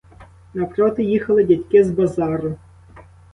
Навпроти їхали дядьки з базару.